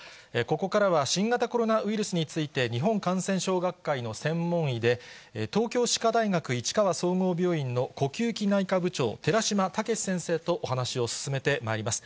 ここから、新型コロナウイルスについて、日本感染症学会の専門医で、東京歯科大学市川総合病院の呼吸器内科部長、寺嶋毅先生とお話を進めてまいります。